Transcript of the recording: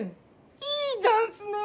いいざんすねぇ！